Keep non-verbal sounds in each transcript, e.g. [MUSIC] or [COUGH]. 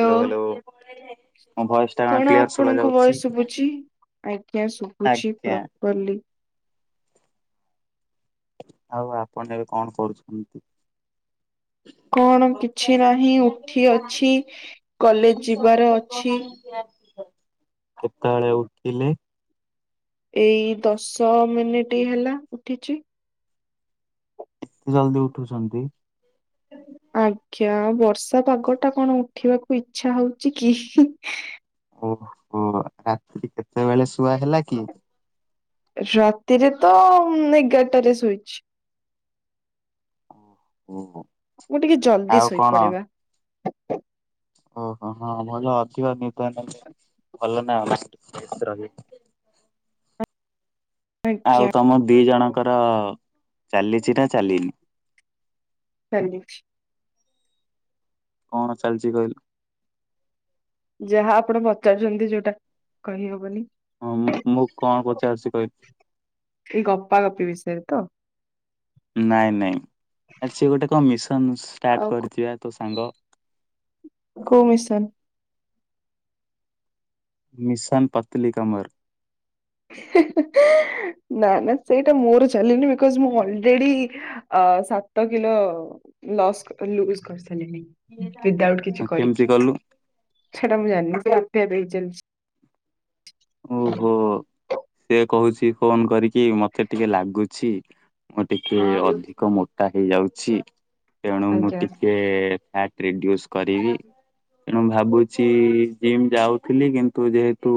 Hello hello. ମୋ voice ଟା କଣ କ୍ଲିୟର ଶୁଭା ଆପଣଙ୍କ ଯାଉଛି? ଭୟେସ ଶୁଭୁଛି ଆଜ୍ଞା ଶୁଭୁଛି ଆଜ୍ଞା ପ୍ରପରଲି। ଆଉ ଆପଣ ଏବେ କଣ କରୁଛନ୍ତି? କଣ କିଛି ନାହିଁ ଉଠି ଅଛି କଲେଜ୍ ଯିବାର ଅଛି। [UNINTELLIGIBLE] କେତେବେଳେ ଉଠିଲେ? ଏଇ ଦଶ ମିନିଟି ହେଲା ଉଠିଛି। ଜଲ୍ଦି ଉଠୁଛନ୍ତି? ଆଜ୍ଞା ଆଉ ବର୍ଷା ପାଗ ଟା କଣ ଉଠିବାକୁ ଇଚ୍ଛା ହଉଛି କି? ଓହୋ ରାତିି କେତେବେଳେ ଶୁଆ ହେଲା କି? ରାତିରେ ତ ଏଗାରଟାରେ ଶୋଇଛି। ଓହୋ ମୁଁ ଟିକେ ଜଲ୍ଦି ଆଉ କଣ ଶୋଇପଡେ ବା। ଓହୋ ହଁ ଭଲ ଅଧିକ ନିଦ ନେଲେ ଭଲ ନା ମାଇଣ୍ଡି ଫ୍ରେସ ରହିବ। ଆଉ ଆଜ୍ଞା ତମ ଦି ଜଣଙ୍କର ଚାଲିଛି ନା ଚାଲିନି? ଚାଲିଛି। କଣ ଚାଲିଛି କହିଲ? ଯାହା ଆପଣ ପଚାରୁଛନ୍ତି ଯୋଉଟା କହିହବନି। ହଁ ମୁଁ ମୁଁ କଣ ପଚାରୁଛି କହିଲୁ? ଏଇ ଗପା ଗପି ବିଷୟରେ ତ? ନାଇଁ ନାଇଁ ଆରେ ସିଏ ଗୋଟେ କଣ ମିଶନ୍ ଆଉ ଷ୍ଟାର୍ଟ କରିଛି ବା ତୋ ସାଙ୍ଗ? କୋଉ ମିଶନ୍? ମିଶନ୍ ପତ୍ଲି କମର୍। ହେ ହେ ହେ ନା ନା ସେଇଟା ମୋର ଚାଲେନି ବିକଜ୍ ମୁଁ ଅଲ୍ରେଡି ଅ ସାତ କିିଲ ଲସ୍ ଲୁଜ୍ କରିସାରିଲିଣି। ୱିଦ୍ଆଉଟ୍ କିଛି କେମିତି କରିକି, କଲୁ? ସେଟା ମୁଁ ଜାଣିନି ସେ ଆପେଆପେ ହେଇଚାଲିଚି। ଓହୋ, ସେ କହୁଛି ଫୋନ୍ କରିକି ମତେ ଟିକେ ଲାଗୁଚି ମୁଁ ଟିକେ ହଁ ଅଧିକ ମୋଟା ହେଇଯାଉଛି, ତେଣୁ ମୁଁ ଆଜ୍ଞା ଟିକେ ଫ୍ୟାଟ୍ ରିଡ୍ୟୁସ୍ କରିବି। ତେଣୁ ଭାବୁଛି ଜିମ୍ ଯାଉଥିଲି କିନ୍ତୁ ଯେହେତୁ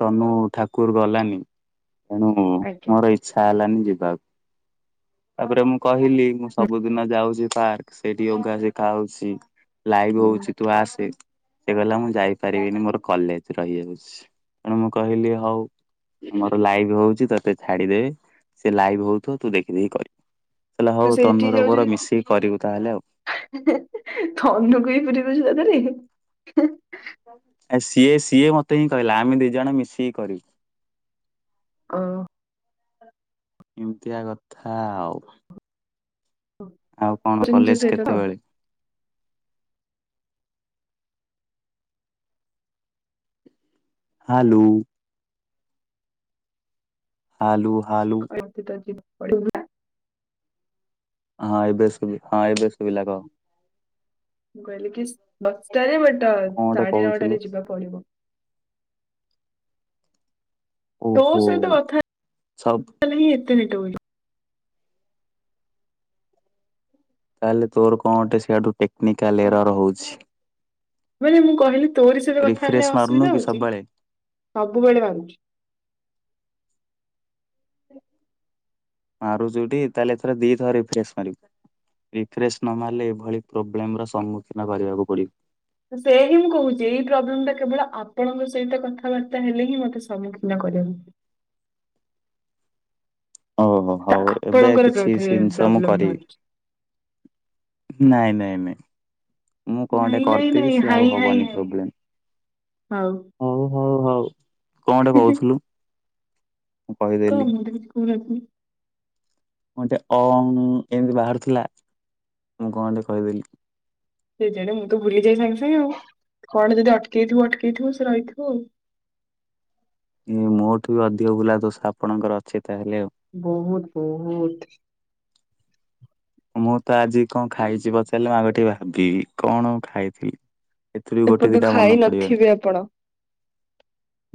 ତନୁ ଠାକୁର୍ ଗଲାନି ତେଣୁ ଆଜ୍ଞା। ମୋର ଇଚ୍ଛା ହେଲାନି ଯିବାକୁ। ତାପରେ ମୁଁ କହିଲି ମୁଁ ସବୁଦିନ ଯାଉଛି ପାର୍କ। ସେଇଠି ୟୋଗା ସିଖା ହଉଛି। ଲାଇଭ୍ ହୁଁ ହଉଛି ତୁ ଆସେ, ସେ କଇଲା ମୁଁ ଯାଇପାରିବିନି ମୋର କଲେଜ୍ ରହିଯାଉଛି। ତେଣୁ ମୁଁ କହିଲି ହଉ। ମୋର ଲାଇଭ୍ ହଉଛି ତତେ ଛାଡିଦେବି ସେ ଲାଇଭ୍ ହଉଥିବ ତୁ ଦେଖି ଦେଇ କହିବୁ। କହିଲା ତୁ ହଉ ତନୁର ମୋର ମିଶିକି କରିବୁ ତାହେଲେ ଆଉ। ହେ ହେ ହେ ତନୁକୁ ବିି ପୁରେଇଦଉଚ ତା ଦେରେ ହେ ହେ। ଆ ସିଏ ସିଏ ମତେ ହିଁ କହିଲା ଆମେ ଦି ଜଣ ମିଶିକି କରିବୁ। ଅ ଏମତିଆ କଥା ଆଉ। ଆଉ କଣ କଲେଜ [UNINTELLIGIBLE] କେତେବେଳେ ହାଲୁ। ହାଲୁ ହାଲୁ। [UNINTELLIGIBLE] ହଁ ଏବେ ସୁବି ହଁ ଏବେ ଶୁବିିଲା କହ। ମୁଁ କହିଲି କି ଦଶଟାରେ ବାଟ କଣ ଗୋଟେ ସାଢେ କହୁଥିଲୁ ନଅଟାରେ ଯିବା ପଡିବ। ତୋ ଓହୋ। ସହିତ ସବୁ କଥାଲେ ହିଁ ଏତେ [UNINTELLIGIBLE] ତାହେଲେ ତୋର କଣ ଗୋଟେ ସିଆଡୁ ଟେକ୍ନିକାଲ୍ ଏରର ହଉଛି। ମାନେ ମୁଁ କହିଲି ତୋରି ସହିତ କଥା ରିଫ୍ରେଶ ହେଲେ ମାରୁନୁ ଅସୁବିଧା କି ହଉଛି ସବୁବେଳେ? ସବୁବେଳେ ମାରୁଚି। ମାରୁଚୁ ଟି ତାହେଲେ ଏଥର ଦିଥର ରିଫ୍ରେସ୍ ମାରିବୁ। ରିଫ୍ରେଶ୍ ନ ମାରିଲେ ଏଭଳି ପ୍ରୋବ୍ଲେମର ସମ୍ମୁଖୀନ କରିବାକୁ ପଡ଼ିବ। ସେୟା ହିଁ ମୁଁ କହୁଛି ଏଇ ପ୍ରୋବ୍ଲେମ ଟା କେବଳ ଆପଣଙ୍କ ସହିତ କଥାବାର୍ତ୍ତା ହେଲେ ହିଁ ମତେ ସମ୍ମୁଖୀନ କରିଆକୁ ଓହୋ ତ ହଉ ଏବେ ଆପଣଙ୍କର କିଛି ବୋଧେ ସିନ୍ସ ମୁଁ ପ୍ରୋବ୍ଲେମ କରିବି। ବାହାରୁଛି ନାଇଁ ନାଇଁ ନାଇଁ। ମୁଁ କଁ ଟେ ନାଇଁ ନାଇଁ କରିଦେବି ନାଇଁ ସିଏ ହାଇ ଆଉ ହାଇ ହବନି ହାଇ ପ୍ରୋବ୍ଲେମ୍। ହଉ ହଉ ହଉ ହଉ କଣଟେ କହୁଥିଲୁ? ମୁଁ କଣ କହିଦେଲି ମୁଁ ତ କିଛି କହୁ ନଥିଲି। ମୁଁ ଟେ ଅଂଗ୍ ଏମିତି ବାହାରୁଥିଲା ମୁଁ କଣଟେ କହିଦେଲି। କେଜାଣି ମୁଁ ତ ଭୁଲିଯାଏ ସାଙ୍ଗେ ସାଙ୍ଗେ ଆଉ କଣ ଯଦି ଅଟକେଇଥିବ ଅଟକେଇଥିବ ସେ ରହିଥିବ ଆଉ। ଇଏ ମୋ ଠୁ ବି ଅଧିକ ଭୁଲା ଦୋଷ ଆପଣଙ୍କର ଅଛି ତାହେଲେ ଆଉ। ବହୁତ୍ ବହୁତ୍। ମୁଁ ତ ଆଜି କଣ ଖାଇଛି ପଚାରିଲେ ମୁଁ ଆଗ ଟିକେ ଭାବିବି କଣ ଖାଇଥିଲି। ଏଥିରୁ ବି ଗୋଟେ ଏପର୍ଯ୍ୟନ୍ତ ଦିଇଟା ଖାଇ ମନେ ପଡିବନି। ନଥିବେ ଆପଣ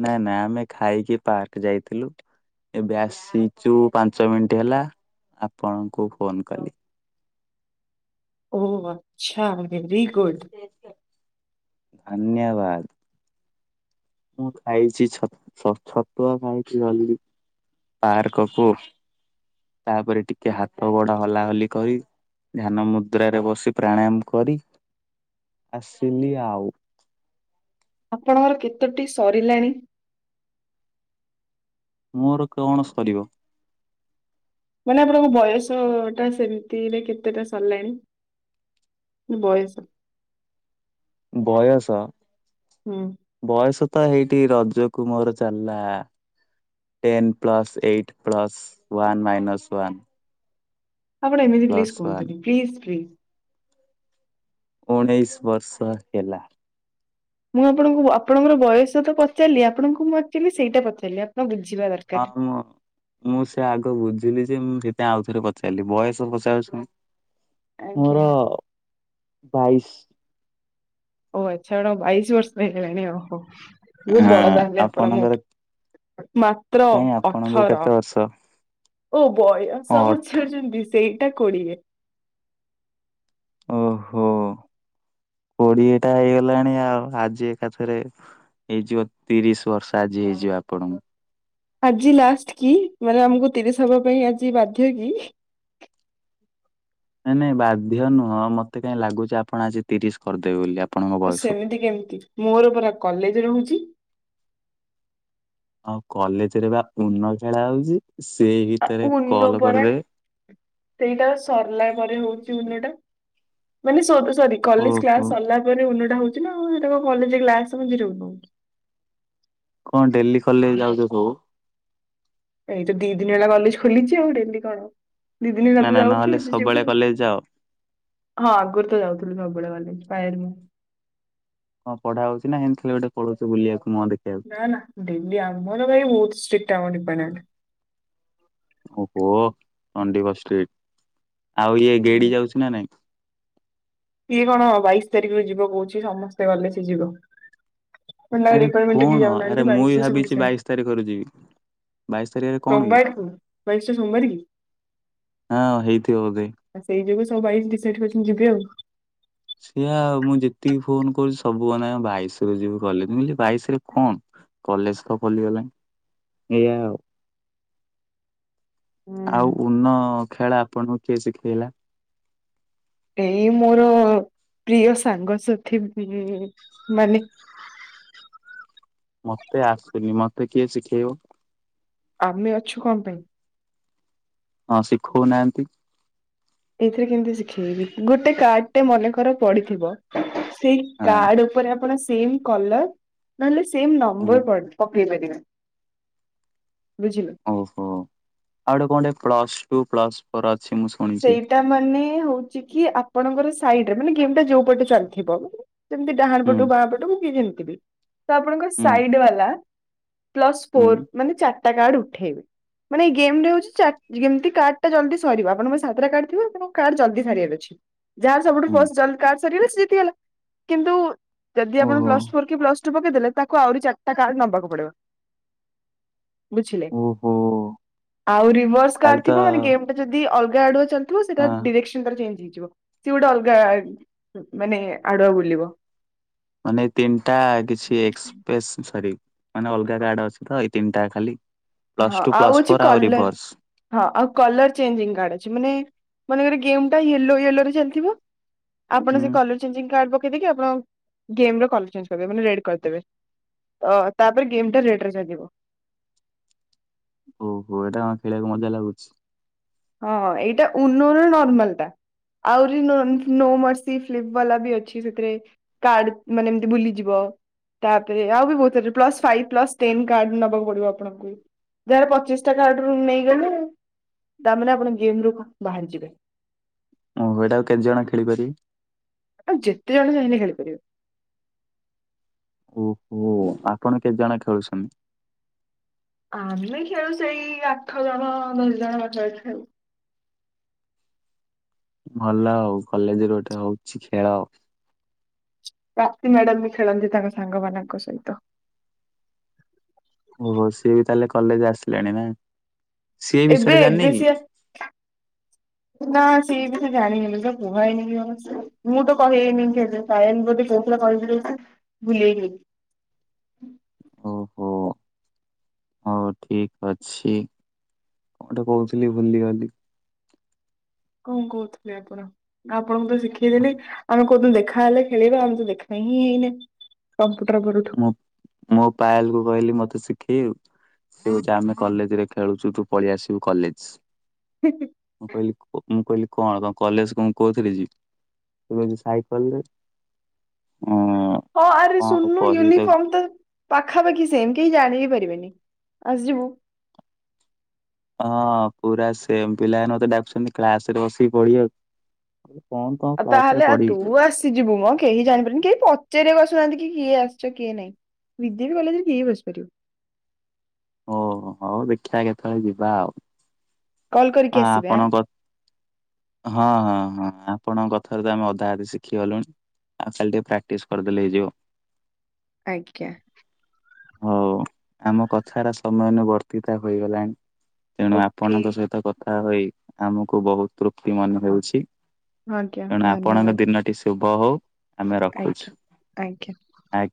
ନାଇଁ ନା ଆମେ ଖାଇକି ପାର୍କ ଯାଇଥିଲୁ। ଏବେ ଆସିଚୁ ପାଞ୍ଚ ମିନିଟ୍ ହେଲା ଆପଣଙ୍କୁ ଫୋନ୍ କଲି। ଓ ଆଚ୍ଛା ଭେରି ଗୁଡ଼। ଅନ୍ୟବାଦ। ମୁଁ ଖାଇଛି ଛ ଛ ଛତୁଆ ଖାଇଛି [UNINTELLIGIBLE] ପାର୍କ କୁ ତାପରେ ଟିକେ ହାତ ଗୋଡ ହଲା ହଲି କରି। ଧ୍ୟାନ ମୁଦ୍ରାରେ ବସି ପ୍ରାଣାୟାମ କରି ଆସିଲି ଆଉ। ଆପଣଙ୍କର କେତୋଟି ସରିଲାଣି। ମୋରୋ କଣ ସରିବ। ମାନେ ଆପଣଙ୍କ ବୟସ ଟା ସେମିତିରେ କେତେଟା ସରିଲାଣି। ବୟସ। ବୟସ। ହୁଁ। ବୟସ ତ ହେଇଟି ରଜ କୁ ମୋରୋ ଚାଲିଲା। Ten plus eight plus one minus one. ଆପଣ ଏମିତି ପ୍ଲିସ୍ ପ୍ଲସ୍ ୱାନ୍ କୁହନ୍ତୁନି ପ୍ଲିସ୍ ପ୍ଲିସ୍। ଉଣେଇଶ ବର୍ଷ ହେଲା। ମୁଁ ଆପଣଙ୍କୁ ଆପଣଙ୍କର ବୟସ ତ ପଚାରିଲି ଆପଣଙ୍କୁ ମୁଁ ଆକ୍ଚୁଆଲି ସେଇଡା ପଚାରିଲି ଆପଣ ବୁଝିବା ଦର ହଁ ମୁଁ ମୁଁ ସେ ଆଗ ବୁଝିଲି ଯେ ମୁଁ ସେଥି ପାଇଁ ଆଉ ଥରେ ପଚାରିଲି ବୟସ ପଚାରୁଛନ୍ତି। ଆଜ୍ଞା। ମୋର ବାଇଶ। ଓ ଆଚ୍ଛା [UNINTELLIGIBLE] ବାଇଶି ବର୍ଷ ହେଗଲାଣି ଓହୋ। ବୋହୁତ ବଡ ହଁ ତାହାଲେ ଆପଣ ଆପଣଙ୍କର ମୋଠୁ ମାତ୍ର କାହିଁ ଆପଣଙ୍କୁ ଅଠର। କେତେ ବର୍ଷ ଓ ବୟସ ଅଠ ପଛାରୁଚନ୍ତି ସେଇଡା କୋଡିଏ। ଓହୋ କୋଡିଏ ଟା ହେଇଗଲାଣି ଆଉ ଆଜି ଏକାଥରେ ହେଇଯିବ ତିରିଶ ବର୍ଷ ଆଜି ହେଇଯିବ ଆପଣଙ୍କୁ। ଆଜି ଲାଷ୍ଟ କି ମାନେ ଆମୁକୁ ତିରିଶ ହବା ପାଇଁ ଆଜି ବାଧ୍ୟ କି। ନାଇଁ ନାଇଁ ବାଧ୍ୟ ନୁହଁ ମତେ କାଇଁ ଲାଗୁଛି ଆପଣ ଆଜି ତିରିଶ କରିଦେବେ ବୋଲି ଆପ୍ [UNINTELLIGIBLE] ସେମିତି କେମିତି ମୋର ପରା କଲେଜ ରୋହୁଛି। ଆଉ କଲେଜ ରେ ବା ଉନୋ ଖେଳା ହଉଚି ସେଇ ଭିତରେ ଉନ କଲ ପରା କରିଦେବେ। ସେଇଟା ସରିଲା ପରେ ହୋଉଚି ଉନୋ ଟା ମାନେ ସରୁ ସରି କଲେଜ ଓହୋ କ୍ଲାସ ସରିଲା ପରେ ଉନୋ ଟା ହୋଉଚି ନା ଆଉ ସେଟା କଲେଜ କ୍ଲାସ ମଝିରେ [UNINTELLIGIBLE] କଁ ଡେଲ୍ଲୀ କଲେଜ ଯାଉଚ ସବୁ। ଏଇ ତ ଦିଇ ଦିନି ହେଲା କଲେଜ ଖୋଲିଚି ଆଉ ଡେଲ୍ଲୀ କଣ। ଦିଇ ଦିନି ହେଲା ନା ନା ତ ଯାଉଚୁ ନହେଲେ ଆଜି ସବୁବେଳେ ଯିବୁ ଆଉ। କଲେଜ ଯାଅ ହଁ ଆଗୁରୁ ତ ଯାଉଥୁଲୁ ସବୁ ବୋଳେ କଲେଜ୍ [UNINTELLIGIBLE] କଁ ପଢା ହୋଉଚିନା ହେନ୍ତି ଖାଲି ଗୋଟେ ପାଳୋଉଚ ବୁଲିବାକୁ ମୁହଁ ଦେଖେଇବାକୁ। ନା ନା ଡେଲ୍ଲୀ ଆମର ଭାଇ ବୋହୁତ ଷ୍ଟ୍ରିକ୍ଟ ଆମ ଦେପାଟମେଣ୍ଟ। ଓହୋ [UNINTELLIGIBLE] ଆଉ ଇଏ ଗେଡି ହୁଁ ଯାଉଚି ନା ନାଇଁ। ଇଏ କଣ ବାଇଶି ତାରିଖରେ ଯିବ କୋହୁଚି ସମସ୍ତେ ଗଲେ ସିଏ ଯିବ। ମାନେ ତାଙ୍କ ଆରେ ଡିପାଟର୍ମେଣ୍ଟ ରେ କେହି କଣ ଆରେ ଯାଉନାହାନ୍ତି ମୁଁ ବି [UNINTELLIGIBLE] ବାଇଶ ତାରିକ [UNINTELLIGIBLE] ବାଇଶ ଟା ସୋମବାରେ କି। ହଁ ହେଇଥିବ ବୋଧେ। ଆଁ ସେଇ ଯୋଗୁ ସବୁ ବାଇଶ ଡିଶାଇଟ୍ କରିଛନ୍ତି ଯିବେ ଆଉ। ସେଇଆ ଆଉ ମୁଁ ଯେତିକି ଫୋନ କରୁଚି ସବୁ [UNINTELLIGIBLE] ଆମେ ବାଇଶରେ ଯିବୁ କଲେଜ ମୁଁ କହିଲି ବାଇଶି ରେ କଣ। କଲେଜ ତ ଖୋଲିଗଲାଣି ଏଇଆ ଆଉ। ଆଉ ହୁଁ। ଉନ ଖେଳା ଆପଣଙ୍କୁ କିଏ ଶିଖେଇଲା। ଏଇ ମୋର ପ୍ରିୟ ସାଙ୍ଗସାଥି ଉଁ ମାନେ। ମତେ ଆସୁନି ମତେ କିଏ ଶିଖେଇବ। ଆମେ ଅଛୁ, କଁ ପାଇଁ? ହଁ, ଶିଖଉନାହାନ୍ତି। ଏଇଥିରେ କେମିତି ଶିଖେଇବି, ଗୋଟେ କାର୍ଡ ଟେ ମନେକର ପଡିଥିବ, ସେଇ ହଁ କାର୍ଡ ଉ ଉପରେ ଆପଣ ସେମ୍ କଲର, ନହେଲେ ସେମ୍ ହଁ ନମ୍ବର ପଡେ ପକେଇ ପାରିବେ, ବୁଝିଲେ। ଓହୋ, ଆଉ ଗୋଟେ କଣଟେ ପ୍ଲସ୍ ଟୁ, ପ୍ଲସ୍ ଫୋର ଅଛି, ମୁଁ ଶୁଣିଛି ସେଇଟା ମାନେ ହଉଛି କି ଆପଣଙ୍କର ସାଇଡରେ, ମାନେ ଗେମ୍ ଟା ଯୋଉ ପଟେ ଚାଲିଥିବ, ମ ସେମତି ଡାହାଣ ହୁଁ ପଟୁ ବାଁ ପଟୁକୁ କି ଯେମିତି ବି, ତ ଆପଣଙ୍କ ହୁଁ ସାଇଡ୍ ବାଲା ପ୍ଲସ୍ ହୁଁ ଫୋର, ମାନେ ଚାରିଟା କାର୍ଡ ଉଠେଇବେ। ମାନେ ଇ ଏଇ ଗେମ୍ ଟା ହଉଚି, ଯେମିତି କାର୍ଡଟା ଜଲ୍ଦି ସରିବ, ଆପଣ ବାସ୍ ସାତଟା କାର୍ଡ ଥିବ, ଆପଣଙ୍କୁ କାର୍ଡ ଜଲଦି ସାରିବାର ଅଛି। ଯାହାର ସବୁଠୁ ହୁଁ ଫର୍ଷ୍ଟ ଜଲ୍ କାର୍ଡ ସରିଗଲା, ସିଏ ଜିତି ଗଲା, କିନ୍ତୁ ଯଦି ଆପଣ ଓହୋ ପ୍ଲସ୍ ଫୋର୍ କି ପ୍ଲସ୍ ପ୍ଲସ୍ଟଟୁ ପକେଇଦେଲେ, ତାକୁ ଆଉରି ଚାରିଟା କାର୍ଡ଼ ନବାକୁ ପଡିବ, ବୁଝିଲେ। ଓହୋ। ଆଉ ରିଭର୍ସ ତାହେଲେ କାର୍ଡ ତ ଥିବ, ମାନେ ଗେମ୍ ଟା ଯଦି ଅଲଗା ଆଡୁଆ ଚାଲ୍ ଥିବ, ସେଟା ହଁ ଡିରେକ୍ସନ ତାର ଚେଞ୍ଜ ହେଇଯିବ, ସିଏ ଗୋଟେ ଅଲଗା ମାନେ, ଆଡୁଆ ବୁଲିବ। ମାନେ ତିନିଟା କିଛି ଏକ୍ସପେସ୍, ସରି ମାନେ ଅଲଗା କାର୍ଡ ଅଛି ତ ଏଇ ତିନିଟା ଖାଲି ହଁ ପ୍ଲସ୍ଟଟୁ, ଆଉ ପ୍ଲସ୍ ଅଛି ଫୋର, ଆଉ କଲର ରିଭର୍ସ। ହଁ, ଆଉ କଲର ଚେଞ୍ଜିଙ୍ଗ୍ କାର୍ଡ ଅଛି, ମାନେ, ମାନେକର ଗେମ୍ ଟା ୟେଲୋ ୟେଲୋରେ ଚାଲିଥିବ ଆପଣ ସେ ହୁଁ କଲର ଚେଞ୍ଜିଙ୍ଗ କାର୍ଡ ପକେଇଦେଇକି, ଆପଣ ଗେମ୍ ର କଲର ଚେଞ୍ଜ କରିବେ, ମାନେ ରେଡ଼୍ କରିଦେବେ। ତ, ତାପରେ ଗେମ୍ ଟା ରେଡ୍ ରେ ଚାଲିବ। ଓହୋ, ଏଇଟା କଣ ଖେଳିବାକୁ ମଜା ଲାଗୁଛି? ହଁ, ଏଇଟା ଉନୁର ନର୍ମାଲ୍ ଟା। ଆହୁରି ନୋନ୍ ନୋ ମର୍ସି ଫ୍ଲିପ ବାଲା ବି ଅଛି, ସେଥିରେ କାର୍ଡ, ମାନେ ଏମିତି ବୁଲିଯିବ। ତାପରେ, ଆଉ ବି ବହୁତ plus five, plus ten, card ନବାକୁ ପଡିବ ଆପଣଙ୍କୁ। ଯାହାର ପଚିଶ ଟା କାର୍ଡରୁ ନେଇଗଲେ ତା ମାନେ, ଆପଣ ଗେମ୍ ରୁ ବାହାରିି ଯିବେ। ଓ, ଏଇଟା ଆଉ କେତେ ଜଣ ଖେଳିପାରିବେ? ଏଟାକୁ ଯେତେ ଜଣ ଚାହିଁଲେ ଖେଳିପାରିବେ। ଓହୋ, ଆପଣ କେତେ ଜଣ ଖେଳୁଛନ୍ତି? ଆମେ ଖେଳୁ ସେଇ, ଆଠ ଜଣ, ଦଶ ଜଣ, ପାଖାପାଖି ଖେଳୁ। ଭଲ ଆଉ, କଲେଜ୍ ରେ ଗୋଟେ ହଉଛି ଖେଳ। ପ୍ରାପ୍ତି ମ୍ୟାଡାମ୍ ବି ଖେଳନ୍ତି, ତାଙ୍କ ସାଙ୍ଗ ମାନଙ୍କ ସହିତ। ଓହୋ, ସିଏ ବି ତାହାଲେ କଲେଜ୍ ଆସିଲେଣି ନା? ସିଏ ଏ ଏବେ, ବିଷୟରେ ଜାଣିନି ଏବେ ସିଏ [INAUDIBLE] ନା ସିଏ ବି ସେ ଜାଣିନି ଲୋ, ସେ କୁହା ହେଇନି ବି ଅବଶ୍ୟ, ମୁଁ ତ କହିହେଇନି କେବେ? ସାୟନ୍ ବୋଧେ କହୁଥିଲା କହିବ ଯଦି ସିଏ, ଭୁଲି ଯାଇଛି ବୋଧେ। ଓ ହୋ। ହଉ ଠିକ୍ ଅଛି, କଣଟେ କହୁଥିଲି ଭୁଲିଗଲି। କଣ କହୁଥିଲେ ଆପଣ? ଆପଣଙ୍କୁ ତ ଶିଖେଇଦେଲି, ଆମେ କଉଦିନ ଦେଖା ହେଲେ ଖେଳିବା, ଆଉ ତ ଦେଖା ହିଁ ହେଇନେ କମ୍ପୁଟର ପରଠୁ। ମୁଁ, ମୁଁ ପାୟଲ କୁ କହିଲି ମତେ ଶିଖେଇବୁ ତୁ? ସେ କହୁଚି, ଆମେ କଲେଜ ରେ ଖେଳୁଛୁ, ତୁ ପଳେଇ ଆସିବୁ କଲେଜ୍। [INAUDIBLE] ମୁଁ କହିଲି ମୁଁ କହିଲି କଣ ତମ କଲେଜ୍ କୁ ମୁଁ କଉଥିରେ ଯିବି? ସେ କହୁଚି ସାଇକେଲରେ ଅଁ। ହଁ ଆରେ କଣ ଆଉ ଶୁନୁନୁ କହିବି ତାକୁ। ମୁ ତ ପାଖାପାଖି ସେମ୍ କେହି ଜାଣିବିି ପାରିବେନି, ଆସିଯିବୁ। ହଁ ପୁରା ସେମ୍ ପିଲା ମାନେ ମୋତେ ଡାକୁଛନ୍ତି କ୍ଲାସ୍ ରେ ବସିକି ପଢିବାକୁ। ମୁଁ କହିଲି କଣ କଣ କ୍ଲାସ ରେ ପଢିବି? ଯିବୁମ୍ କେହି ଜାଣିପାରୁନି କେହି ପଚାରିବାକୁ ଆସୁନାହାଁନ୍ତି କିଏ ଆସିଛ କିଏ ନାଇଁ। ବି ଜେ ବି କଲେଜରେ କିଏ ବସିପାରିବ। ହଁ ହଉ ଦେଖିବା କେତେବେଳେ ଯିବା ଆଉ। କଲ୍ କରିକି ହଁ ଆସିବେ ଆଁ। ଆପଣଙ୍କ ହଁ ହଁ ହଁ ଆପଣଙ୍କ କଥାରୁ ତ ଆମେ ଅଧା ଆଧି ଶିଖିଗଲୁଣି। ଆ ଖାଲିଟିକେ ପ୍ରାକ୍ଟଟିସ୍ କରିଦଲେ ହେଇଯିବ। ଆଜ୍ଞା। ହଉ ଆମ କଥାରା ସମୟାନୁବର୍ତ୍ତିତା ହେଇଗଲାଣି। ତେଣୁ ଓକେ ଆପଣଙ୍କ ସହିତ କଥା ହୋଇ ଆମକୁ ବହୁତ ତୃପ୍ତି ମନେ ହେଉଛି। ଆଜ୍ଞା ତେଣୁ ଆପଣଙ୍କ ଧନ୍ୟବାଦ। ଦିନଟି ଶୁଭ ହଉ ଆମେ ରଖୁଛୁ। ଆଜ୍ଞା ଆଜ୍ଞା। ଆ